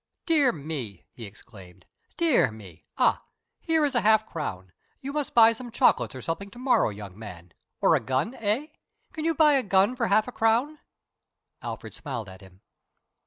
"Dear me!" he exclaimed. "Dear me! Ah, here is a half crown! You must buy some chocolates or something to morrow, young man. Or a gun, eh? Can one buy a gun for half a crown?" Alfred smiled at him.